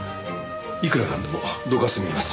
いくらなんでも度が過ぎます。